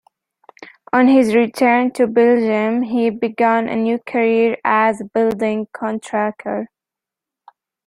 On his return to Belgium he began a new career as a building contractor.